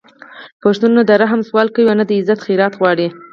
پښتون نه د رحم سوال کوي او نه د عزت خیرات غواړي